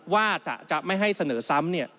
มาตรจะไม่ให้เสนอซ้ำเนี่ย